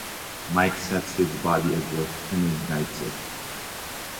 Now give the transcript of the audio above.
Mike sets his body adrift and ignites it.